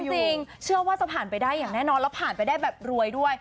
จริงเชื่อว่าจะผ่านไปได้อย่างแน่นอนแล้วผ่านไปได้แบบรวยด้วย